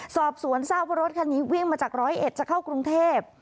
สอบสวนทราบว่ารถคันนี้วิ่งมาจากร้อยเอ็ดจะเข้ากรุงเทพ